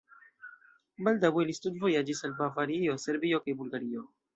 Baldaŭe li studvojaĝis al Bavario, Serbio kaj Bulgario.